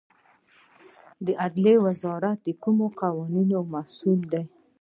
عدلیې وزارت د کومو قوانینو مسوول دی؟